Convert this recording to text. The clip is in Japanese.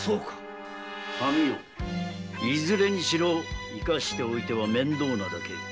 神尾いずれにしろ生かしておいては面倒なだけ。